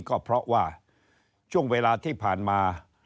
ก็เพราะว่าช่วงเวลาที่ผ่านมา